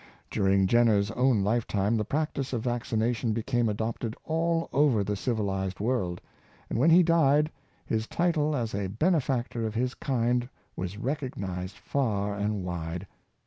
*" During Jenner's own lifetime the practice of vaccina tion became adopted all over the civilized world; and when he died, his title as a benefactor of his kind was recognized far and wide.